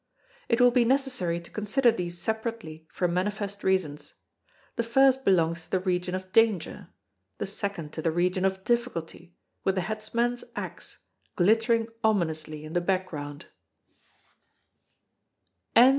It will be necessary to consider these separately for manifest reasons. The first belongs to the region of Danger; the second to the region of Difficulty, with the headsman's axe glittering ominously in the background.